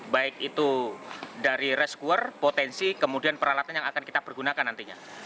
baik itu dari rescuer potensi kemudian peralatan yang akan kita pergunakan nantinya